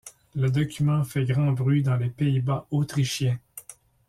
Le document fait grand bruit dans les Pays-Bas autrichiens.